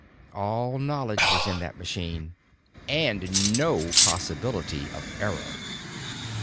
All knowledge was in that machine and no possibility of error.